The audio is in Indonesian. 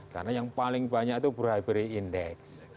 karena yang paling banyak itu bribery index